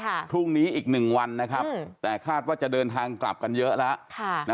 ใช่ค่ะพรุ่งนี้อีก๑วันนะครับแต่คาดว่าจะเดินทางกลับกันเยอะแล้ว